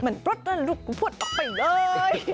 มันพลวดไปเลย